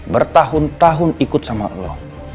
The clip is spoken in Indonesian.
bertahun tahun ikut sama allah